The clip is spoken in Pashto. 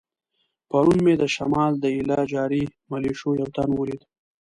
پرون مې د شمال د ایله جاري ملیشو یو تن ولید.